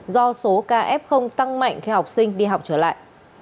do số kf tăng mạnh khi học sinh đi học trở lại